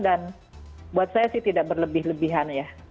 dan buat saya sih tidak berlebih lebihan ya